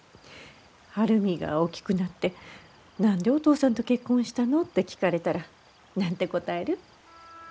晴海が大きくなって「何でお父さんと結婚したの？」って聞かれたら何て答える？